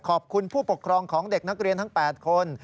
ขอบคุณผู้ปกครองของเด็กนักเรียนทั้ง๘คน